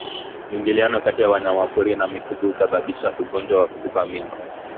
Mwingiliano kati ya wanyamapori na mifugo husababisha ugonjwa wa kutupa mimba